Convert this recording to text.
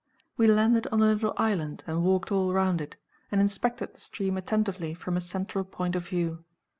We landed on a little island, and walked all round it, and inspected the stream attentively from a central point of view.